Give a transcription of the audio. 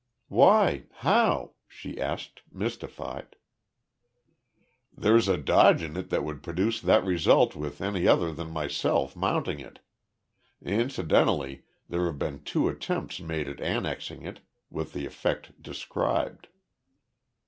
"Why? How?" she asked, mystified. "There's a dodge in it that would produce that result with any other than myself mounting it. Incidentally, there have been two attempts made at annexing it with the effect described."